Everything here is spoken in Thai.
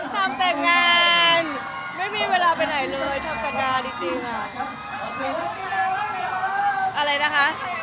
ทำแต่งงานไม่มีเวลาไปไหนเลยทำแต่งงานจริง